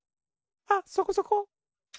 あっそこそこ。